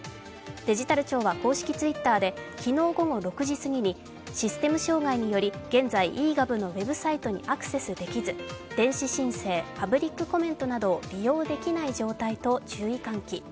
デジタル庁は公式Ｔｗｉｔｔｅｒで昨日午後６時過ぎにシステム障害により現在、ｅ−Ｇｏｖのウェブサイトにアクセスできず電子申請、パブリックコメントなどを利用できない状態と注意喚起。